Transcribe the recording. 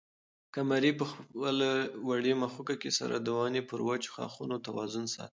قمرۍ په خپلې وړې مښوکې سره د ونې پر وچو ښاخونو توازن ساته.